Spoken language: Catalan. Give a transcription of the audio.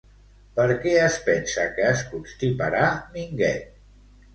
Per què es pensa que es constiparà Minguet?